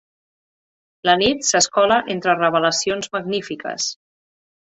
La nit s'escola entre revelacions magnífiques.